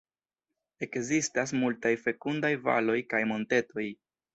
Ekzistas multaj fekundaj valoj kaj montetoj.